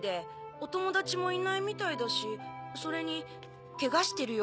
お友達もいないみたいだしそれにケガしてるよ。